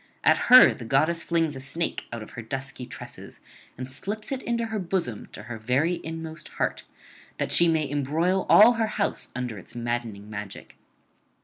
At her the goddess flings a snake out of her dusky tresses, and slips it into her bosom to her very inmost heart, that she may embroil all her house under its maddening magic.